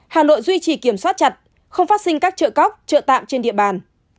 hà nội duy trì kiểm soát chặt không phát sinh các trợ cóc trợ tạm trên địa bàn